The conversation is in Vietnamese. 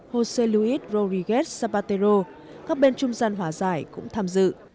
josé luis rodríguez zapatero các bên trung gian hòa giải cũng tham dự